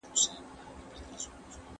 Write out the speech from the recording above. ژوند په مثبت فکر ښکلی دی.